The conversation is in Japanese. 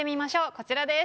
こちらです。